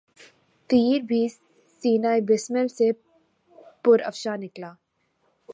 تیر بھی سینۂ بسمل سے پرافشاں نکلا